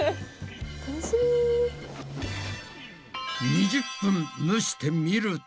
２０分蒸してみると。